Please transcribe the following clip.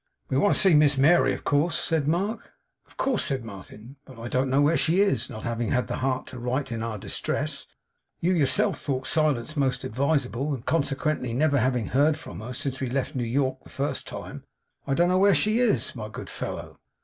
'We want to see Miss Mary, of course,' said Mark. 'Of course,' said Martin. 'But I don't know where she is. Not having had the heart to write in our distress you yourself thought silence most advisable and consequently, never having heard from her since we left New York the first time, I don't know where she is, my good fellow.